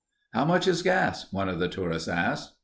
"How much is gas?" one of the tourists asked.